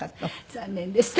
残念でした。